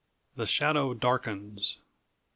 The Shadow Darkens.